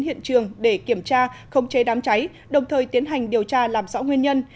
hiện trường để kiểm tra không chế đám cháy đồng thời tiến hành điều tra làm rõ nguyên nhân